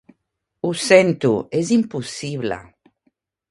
Ho sento, és impossible.